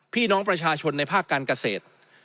พี่น้องประชาชนในภาคการเกษตร